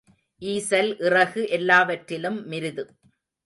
ஈசல் இறகு எல்லாவற்றிலும் மிருது.